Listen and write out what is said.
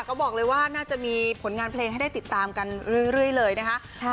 ก็บอกเลยว่าน่าจะมีผลงานเพลงให้ได้ติดตามกันเรื่อยเลยนะคะ